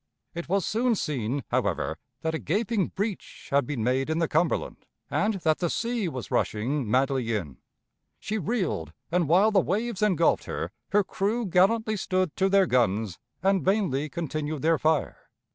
It was soon seen, however, that a gaping breach had been made in the Cumberland, and that the sea was rushing madly in. She reeled, and, while the waves ingulfed her, her crew gallantly stood to their guns and vainly continued their fire.